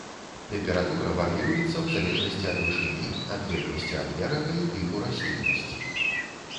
Тэмпература вар'іруецца ў залежнасці ад вышыні, адлегласці ад берага і тыпу расліннасці.